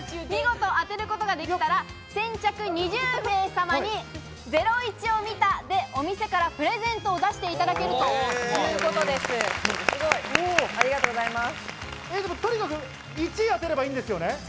見事当てることができたら、先着２０名様に、『ゼロイチ』を見たでお店からプレゼントを出していただけるといとにかく、１位を当てればいいんですよね？